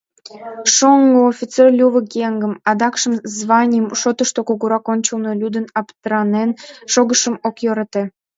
Шоҥго офицер лювык еҥым, адакшым званий шотышто кугурак ончылно лӱдын-аптранен шогышым ок йӧрате.